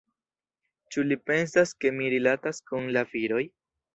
Ĉu li pensas ke mi rilatas kun la viroj?